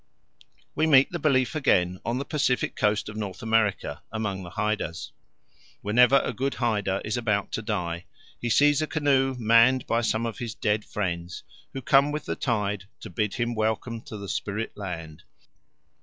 We meet the belief again on the Pacific coast of North America among the Haidas. Whenever a good Haida is about to die he sees a canoe manned by some of his dead friends, who come with the tide to bid him welcome to the spirit land.